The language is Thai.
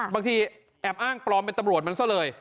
บางทีแอบอ้างปลอมเป็นตำรวจมันซะเลย